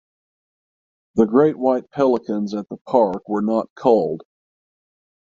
The great white pelicans at the park were not culled.